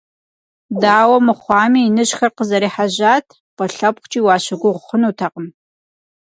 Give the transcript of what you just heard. Дауэ мыхъуами, иныжьхэр къызэрехьэжьат, фӀы лъэпкъкӏи уащыгугъ хъунутэкъым.